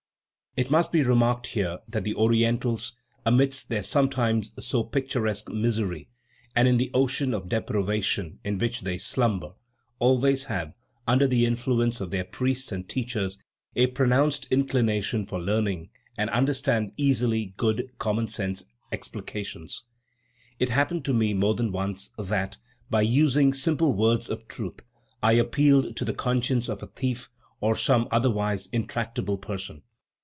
It must be remarked here that the Orientals, amidst their sometimes so picturesque misery, and in the ocean of depravation in which they slumber, always have, under the influence of their priests and teachers, a pronounced inclination for learning and understand easily good common sense explications. It happened to me more than once that, by using simple words of truth, I appealed to the conscience of a thief or some otherwise intractable person.